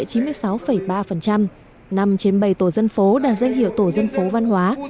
năm trên bảy tổ dân phố đạt danh hiệu tổ dân phố văn hóa